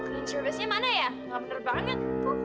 clean service nya mana ya enggak bener banget